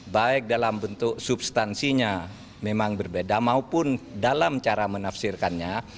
baik dalam bentuk substansinya memang berbeda maupun dalam cara menafsirkannya